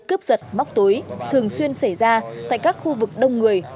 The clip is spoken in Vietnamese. cướp giật móc túi thường xuyên xảy ra tại các khu vực đông người